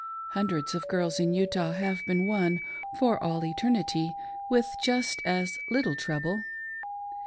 Hundreds of girls in Utah have been won "for all eternity" with just as little trouble.